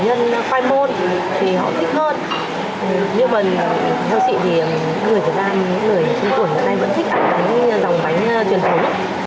nhưng mà theo chị thì người trẻ tuổi hiện đại vẫn thích ăn những dòng bánh truyền thống